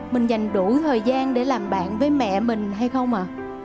mình dành đủ thời gian để làm bạn với mẹ mình hay không à